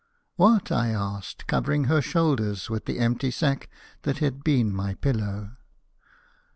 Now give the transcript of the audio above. "What?" I asked, covering her shoulders with the empty sack that had been my pillow.